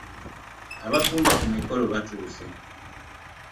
Abafumba ku mikolo batuuse.